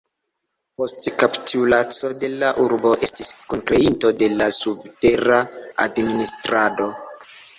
Post kapitulaco de la urbo estis kunkreinto de la subtera administrado.